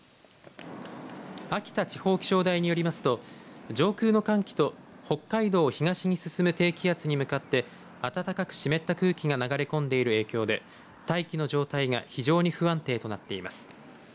秋田地方気象台によりますと上空の寒気と北海道を東に進む低気圧に向かって暖かく湿った空気が流れ込んでいる影響で大気の状態が非常に不安定となっています。